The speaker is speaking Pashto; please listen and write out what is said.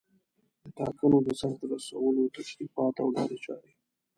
د ټاکنو د سرته رسولو تشریفات او لارې چارې